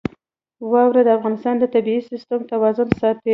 واوره د افغانستان د طبعي سیسټم توازن ساتي.